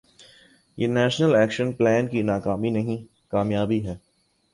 یہ national action plan کی ناکامی نہیں، کامیابی ہے۔